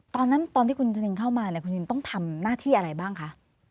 ตอนนั้นตอนที่คุณจนิงเข้ามาคุณจนิงต้องทำหน้าที่อะไรบ้างคะ